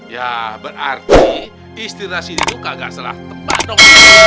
yah berarti istirahat sini tuh kagak salah tempat dong